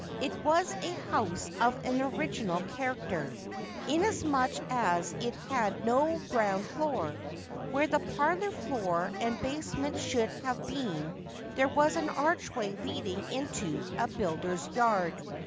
It was a house of an original character, inasmuch as it had no ground floor. Where the parlour floor and basement should have been there was an archway leading into a builder's yard.